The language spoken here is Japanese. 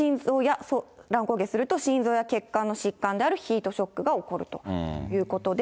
乱高下すると心臓や血管の疾患であるヒートショックが起こるということで。